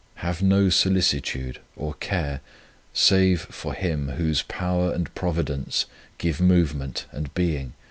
Have no solicitude or care save for Him Whose power and Providence give movement and being to all things.